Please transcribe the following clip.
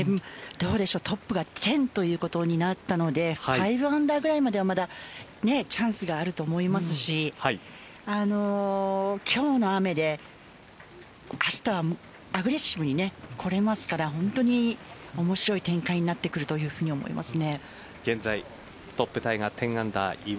どうでしょうトップが１０ということになったので５アンダーぐらいまではまだチャンスがあると思いますし今日の雨で明日はアグレッシブにこれますから本当に面白い展開になってくると思います。